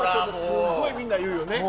すごいみんな言うよね。